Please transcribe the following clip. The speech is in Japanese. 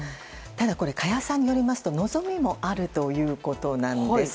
ただ、加谷さんによりますと望みもあるということです。